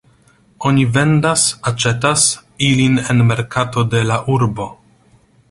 Oni vendas-aĉetas ilin en merkato de la urbo.